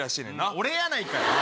俺やないかい。